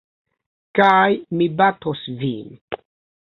Kaj mi batos vin.